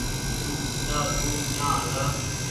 چمچآ سون چآنه هلآ۔